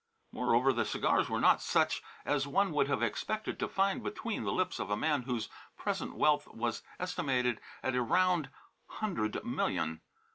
Moreover, the cigars were not such as one would have expected to find between the lips of a man whose present wealth was estimated at a round hundred million.